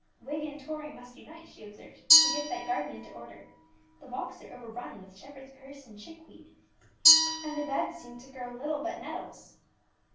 "Whig and Tory must unite," she observed, "to get that garden into order. The walks are overrun with shepherd's purse and chickweed, and the beds seem to grow little but nettles."